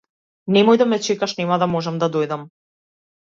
Немој да ме чекаш нема да можам да дојдам.